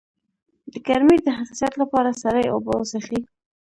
د ګرمۍ د حساسیت لپاره سړې اوبه وڅښئ